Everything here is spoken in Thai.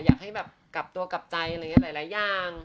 อยากให้แบบกลับตัวกลับใจอะไรอย่างนี้หลายอย่าง